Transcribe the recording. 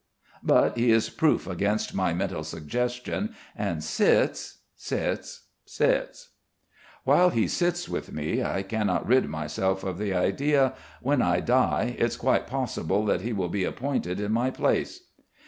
But he is proof against my mental suggestion and sits, sits, sits.... While he sits with me I cannot rid myself of the idea: "When I die, it's quite possible that he will be appointed in my place."